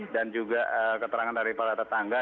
dan juga keterangan dari para tetangga